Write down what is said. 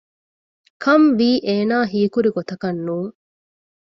ކަންވީ އޭނާ ހީކުރި ގޮތަކަށް ނޫން